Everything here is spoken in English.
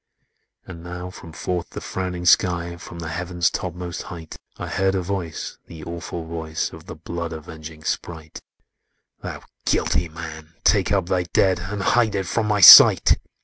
"And now, from forth the frowning sky, From the Heaven's topmost height, I heard a voice—the awful voice Of the blood avenging sprite— 'Thou guilty man! take up thy dead And hide it from my sight!'